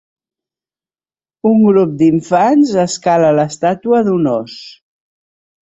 Un grup d'infants escala l'estàtua d'un os.